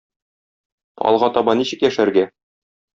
Алга таба ничек яшәргә?